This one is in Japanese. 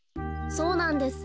そうなんです。